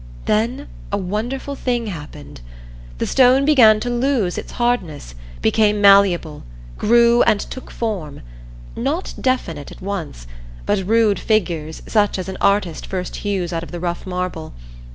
Then a wonderful thing happened. The stone began to lose its hardness, became malleable, grew and took form not definite at once, but rude figures such as an artist first hews out of the rough marble.